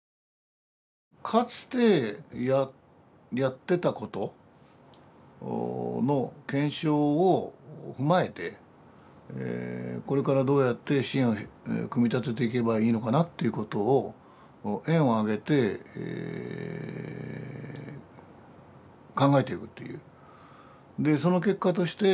かつてやってたことの検証を踏まえてこれからどうやって支援を組み立てていけばいいのかなということを園を挙げて考えていくという。